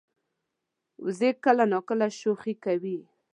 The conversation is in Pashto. وزې کله ناکله شوخي کوي